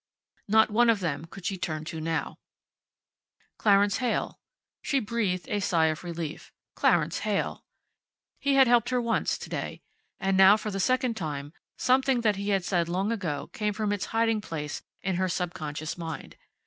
Not one of them could she turn to now. Clarence Heyl. She breathed a sigh of relief. Clarence Heyl. He had helped her once, to day. And now, for the second time, something that he had said long before came from its hiding place in her subconscious mind.